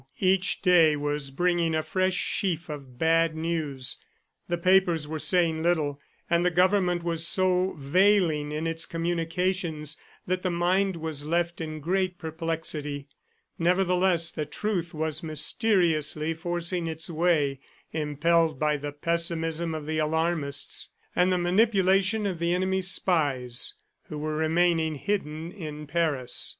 Each day was bringing a fresh sheaf of bad news. The papers were saying little, and the Government was so veiling its communications that the mind was left in great perplexity. Nevertheless, the truth was mysteriously forcing its way, impelled by the pessimism of the alarmists, and the manipulation of the enemy's spies who were remaining hidden in Paris.